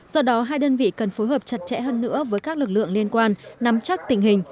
do đó hai đơn vị cần phối hợp chặt chẽ hơn nữa với các lực lượng liên quan nắm chắc tình hình